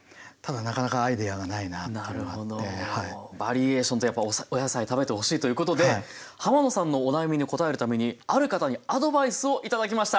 バリエーションとやっぱりお野菜食べてほしいということで浜野さんのお悩みに応えるためにある方にアドバイスをいただきました。